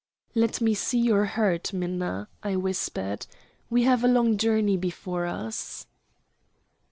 "Let me see to your hurt, Minna," I whispered. "We have a long journey before us."